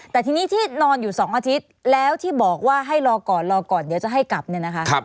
แต่ทีนี้ที่นอนอยู่๒อาทิตย์แล้วที่บอกว่าให้รอก่อนรอก่อนเดี๋ยวจะให้กลับเนี่ยนะคะ